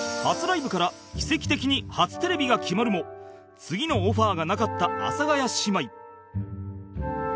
初ライブから奇跡的に初テレビが決まるも次のオファーがなかった阿佐ヶ谷姉妹